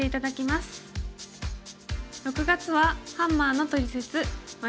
６月は「ハンマーのトリセツ③」。